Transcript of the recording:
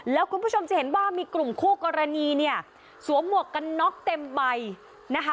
แล้วคุณผู้ชมจะเห็นว่ามีกลุ่มคู่กรณีเนี่ยสวมหมวกกันน็อกเต็มใบนะคะ